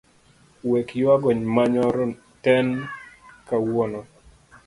Wek yuago manyoro ten kawuono.